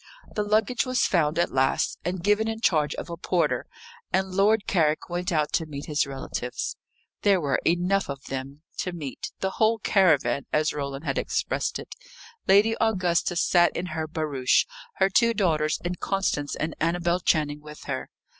The luggage was found at last, and given in charge of a porter; and Lord Carrick went out to meet his relatives. There were enough of them to meet the whole caravan, as Roland had expressed it. Lady Augusta sat in her barouche her two daughters and Constance and Annabel Channing with her.